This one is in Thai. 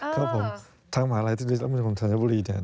ครับผมทางมหาลัยธินิศรัพยาบาลคมธรรมดิบุรีเนี่ย